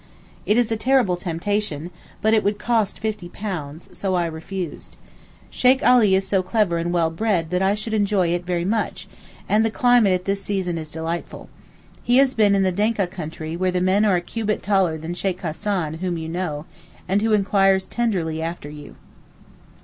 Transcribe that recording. It is a terrible temptation—but it would cost £50—so I refused. Sheykh Alee is so clever and well bred that I should enjoy it much, and the climate at this season is delightful. He has been in the Denka country where the men are a cubit taller than Sheykh Hassan whom you know, and who enquires tenderly after you.